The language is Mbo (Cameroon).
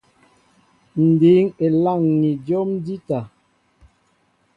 Ǹ dǐŋ elâŋ̀i jǒm njíta.